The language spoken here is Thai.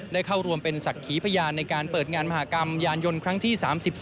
ได้เข้ารวมเป็นศักดิ์ขีพยานในการเปิดงานมหากรรมยานยนต์ครั้งที่๓๒